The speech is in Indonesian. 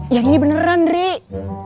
yang ini beneran drik